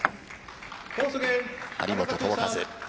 張本智和。